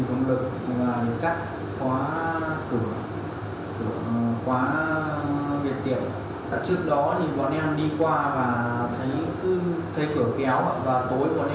đơn vị này đã bắt giữ thành công hai siêu trộm sinh năm hai nghìn ba và một đối tượng tiêu thụ tài sản do người khác phạm tội mà có